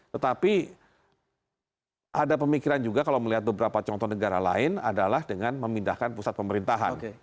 tetapi ada pemikiran juga kalau melihat beberapa contoh negara lain adalah dengan memindahkan pusat pemerintahan